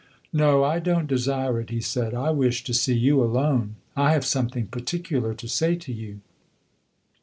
"No, I don't desire it," he said. "I wish to see you alone; I have something particular to say to you."